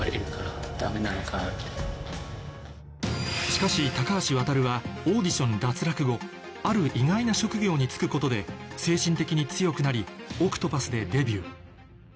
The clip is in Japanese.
しかし高橋わたるはオーディション脱落後ある意外な職業に就くことで精神的に強くなりＯＣＴＰＡＴＨでデビュー